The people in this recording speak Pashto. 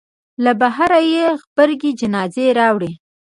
له بهره یې غبرګې جنازې راوړې.